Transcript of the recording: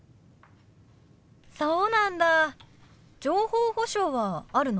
そうなんだ情報保障はあるの？